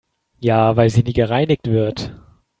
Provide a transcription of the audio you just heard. Ja, weil sie nie gereinigt wird.